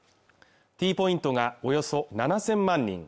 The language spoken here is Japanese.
Ｔポイントがおよそ７０００万人